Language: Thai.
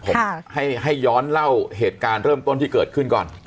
ผมให้ย้อนเล่าเหตุการณ์เริ่มต้นที่เกิดขึ้นก่อน